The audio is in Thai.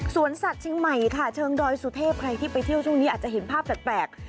สัตว์เชียงใหม่ค่ะเชิงดอยสุเทพใครที่ไปเที่ยวช่วงนี้อาจจะเห็นภาพแปลก